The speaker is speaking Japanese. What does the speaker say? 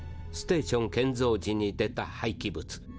ステーション建造時に出たはいき物。